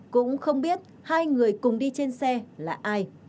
cũng không biết hai người cùng đi trên xe là ai